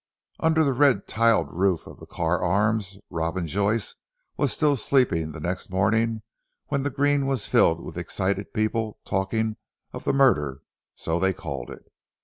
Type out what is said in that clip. Under the red tiled roof of 'The Carr Arms,' Robin Joyce was still sleeping the next morning when the green was filled with excited people talking of the murder so they called it.